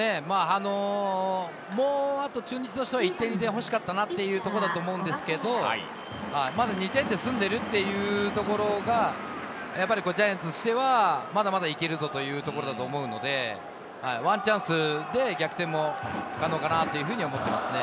もう、あと中日としては１点２点欲しかったなというところだと思いますけど、まだ２点で済んでるというところがジャイアンツとしてはまだまだいけるぞというところだと思うので、ワンチャンスで逆転も可能かなというふうに思っていますね。